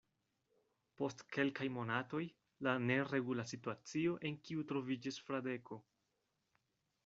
Post kelkaj monatoj, la neregula situacio, en kiu troviĝis Fradeko.